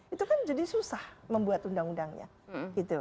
itu kan jadi susah membuat undang undangnya gitu